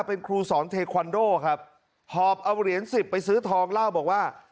เป็นครูสอนเทควันโดครับหอบเอาเหรียญสิบไปซื้อทองเล่าบอกว่า